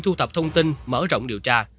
thu thập thông tin mở rộng điều tra